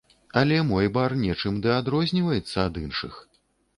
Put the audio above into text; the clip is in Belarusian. Але мой бар нечым ды адрозніваецца ад іншых.